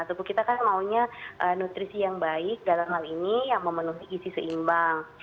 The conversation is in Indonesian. ataupun kita kan maunya nutrisi yang baik dalam hal ini yang memenuhi gizi seimbang